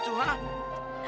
ada yang aneh dengan saya